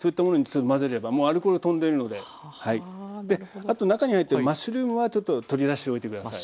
あと中に入ってるマッシュルームはちょっと取り出しておいて下さい。